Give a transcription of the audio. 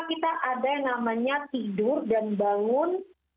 kita ada yang namanya tidur dan bangun